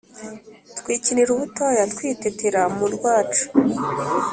twikinira ubutoya twitetera mu rwacu